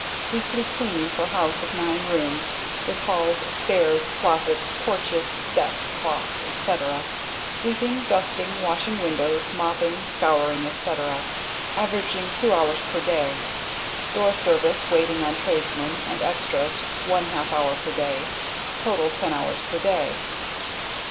Weekly cleaning for house of nine rooms, with halls, stairs, closets, porches, steps, walks, etc., sweeping, dusting, washing windows, mopping, scouring, etc., averaging two hours per day. Door service, waiting on tradesmen, and extras one half hour per day. Total ten hours per day."